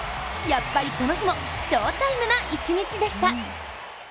やっぱりこの日も翔タイムな一日でした。